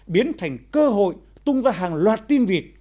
biến thành cơ hội tung ra hàng loạt tin vịt